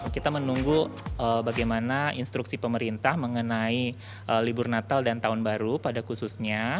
kita menunggu bagaimana instruksi pemerintah mengenai libur natal dan tahun baru pada khususnya